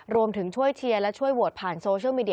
รวมถึงช่วยเชียร์และช่วยโหวตผ่านโซเชียลมีเดี